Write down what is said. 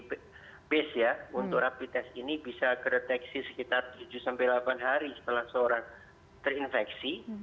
atau antibody base ya untuk rapid test ini bisa kareteksi sekitar tujuh delapan hari setelah seorang terinfeksi